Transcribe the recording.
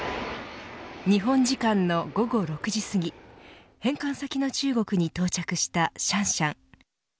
日本時間の午後６時すぎ返還先の中国に到着したシャンシャン。